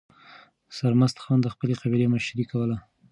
سرمست خان د خپلې قبیلې مشري کوله.